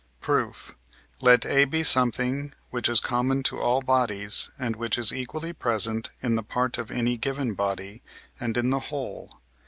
Proof. Let A be something, which is common to all bodies, and which is equally present in the part of any given body and in the whole.